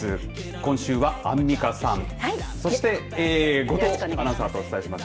今週はアンミカさん、そして後藤アナウンサーとお伝えします。